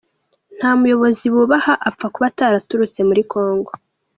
Nta muyobozi bubaha, apfa kuba ataraturutse muri Congo.